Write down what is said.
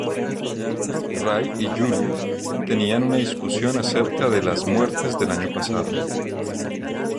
Ray y Julie tienen una discusión acerca de las muertes del año pasado.